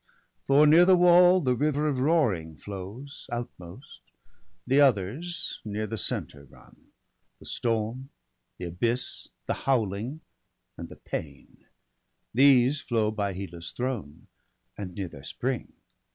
For near the wall the river of Roaring flows, Outmost; the others near the centre run — The Storm, the Abyss, the Howling, and the Pain; These flow by Hela's throne, and near their spring.